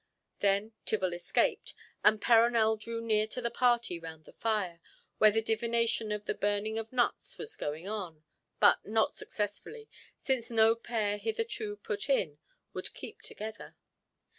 Then Tibble escaped, and Perronel drew near to the party round the fire, where the divination of the burning of nuts was going on, but not successfully, since no pair hitherto put in would keep together.